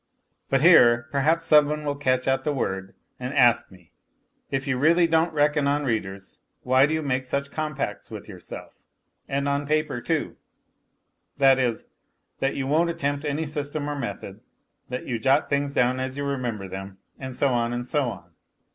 But here, perhaps, some one will catch at the word and ask me : if you really don't reckon on readers, why do you make such compacts with yourself and on paper too that is, that you won't attempt any system or method, that you jot things down as you remember them, and so on, and so on